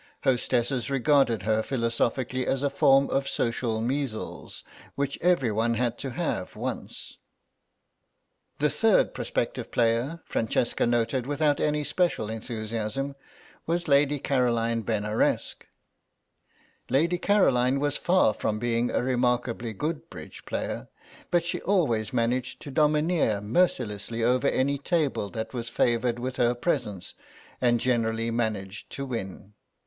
Hostesses regarded her philosophically as a form of social measles which everyone had to have once. The third prospective player, Francesca noted without any special enthusiasm, was Lady Caroline Benaresq. Lady Caroline was far from being a remarkably good bridge player, but she always managed to domineer mercilessly over any table that was favoured with her presence, and generally managed to win.